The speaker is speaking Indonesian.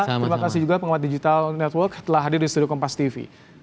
terima kasih juga penguat digital network telah hadir di studio kompas tv